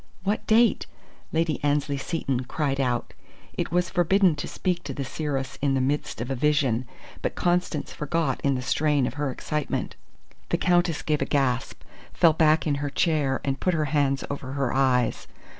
"What date?" Lady Annesley Seton cried out. It was forbidden to speak to the seeress in the midst of a vision, but Constance forgot in the strain of her excitement. The Countess gave a gasp, fell back in her chair, and put her hands over her eyes.